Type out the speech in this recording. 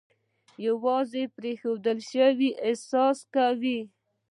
یوازې پرېښودل شوی احساس کوي.